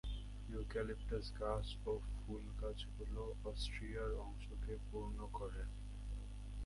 Eucalyptus গাছ ও ফুলগাছগুলো অস্ট্রেলিয়ার অংশকে পূর্ণ করে।